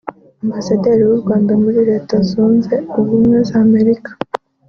Ambasaderi w’u Rwanda muri Leta Zunze Ubumwe za Amerika